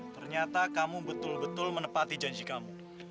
ternyata kamu betul betul menepati janji kamu